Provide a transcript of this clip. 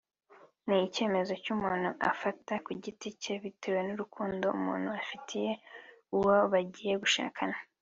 ni icyemezo cy’umuntu afata ku giti cye bitewe n’urukundo umuntu afitiye uwo bagiye gushakana